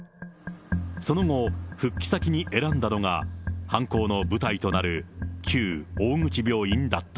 その後、復帰先に選んだのが、犯行の舞台となる旧大口病院だった。